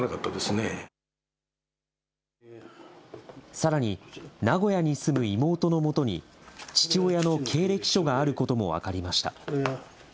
さらに、名古屋に住む妹のもとに、父親の経歴書があることも分かりました。